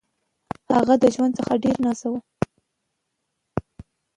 هغه د ژوند څخه ډير نا رضا وو